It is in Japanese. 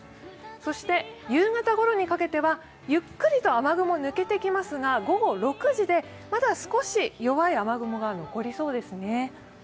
そして夕方ごろにかけてはゆっくりと雨雲、抜けてきますが午後６時でまだ少し弱い雨雲が残りそうですね。